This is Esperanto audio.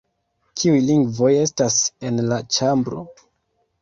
Kiuj lingvoj estas en la ĉambro?